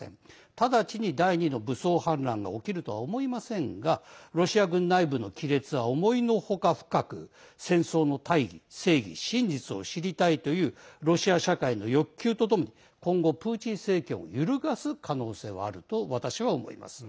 直ちに第２の武装反乱が起きるとは思いませんがロシア軍内部の亀裂は思いのほか深く戦争の大義、正義、真実を知りたいというロシア社会の欲求とともに今後プーチン政権を揺るがす可能性があると私は思います。